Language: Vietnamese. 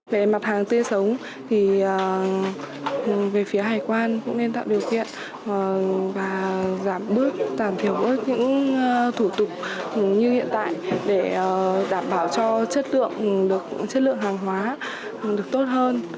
về mặt hàng tiên sống về phía hải quan cũng nên tạo điều kiện và giảm bước giảm thiểu bước những thủ tục như hiện tại để đảm bảo cho chất lượng hàng hóa được tốt hơn